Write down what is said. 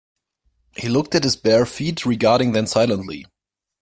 He looked at his bare feet, regarding then silently.